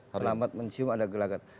terlambat mencium ada gerakan